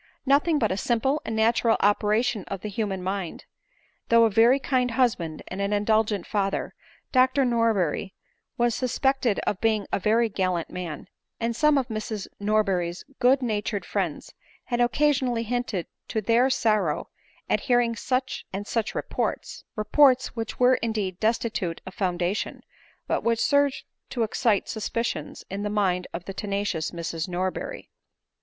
Nothing but a simple and natural operation of the human mind. Though a very kind husband and an indulgent father, Dr Nor berry was suspected of being a very gallant man ; and some of Mrs Norberry's good natured friends had occsh r 114 ADELINE MCfWBRAY. sionally hinted to her their sorrow at hearing such and such reports ; reports which were indeed destitute of foundation, but which served to excite suspicions in the mind of the tenacious Mrs Norberry.